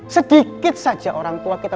sedikit saja orang tua kita